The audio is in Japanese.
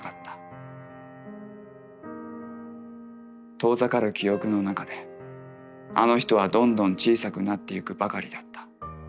「遠ざかる記憶の中であの人はどんどん小さくなってゆくばかりだった。